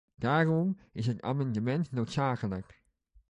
Daarom is het amendement noodzakelijk.